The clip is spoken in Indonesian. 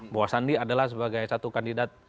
bahwa sandi adalah sebagai satu kandidat